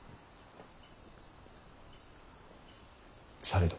されど。